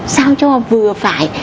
sao cho vừa phải